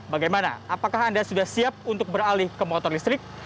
bagaimana apakah anda sudah siap untuk beralih ke motor listrik